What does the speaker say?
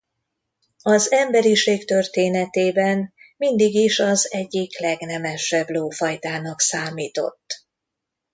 Az emberiség történetében mindig is az egyik legnemesebb lófajtának számított.